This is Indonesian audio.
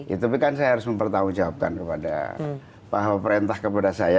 itu kan saya harus mempertahankan kepada pak waprentah kepada saya